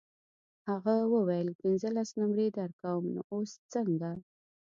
هغه وویل پنځلس نمرې درکوم نو اوس څنګه ده.